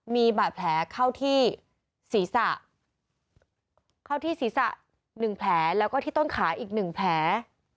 มีบาดแผลเข้าที่ศีรษะเข้าที่ศีรษะ๑แผลแล้วก็ที่ต้นขาอีกหนึ่งแผล